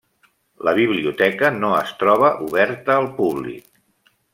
La biblioteca no es troba oberta al públic.